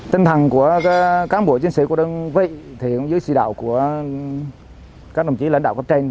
tinh thần của cán bộ chiến sĩ của đơn vị dưới sĩ đạo của các đồng chí lãnh đạo của trên